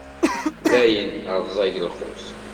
Dayen, rẓag lqut.